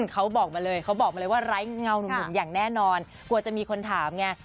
เขาบอกมาเลยเขาบอกมาเลยว่าไร้เงาหนุ่มอย่างแน่นอนกลัวจะมีคนถามไง